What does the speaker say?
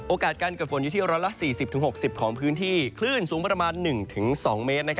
การเกิดฝนอยู่ที่๑๔๐๖๐ของพื้นที่คลื่นสูงประมาณ๑๒เมตร